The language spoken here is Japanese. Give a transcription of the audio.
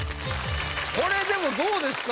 これでもどうですか？